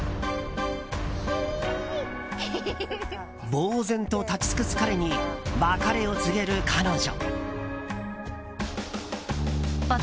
ぼうぜんと立ち尽くす彼に別れを告げる彼女。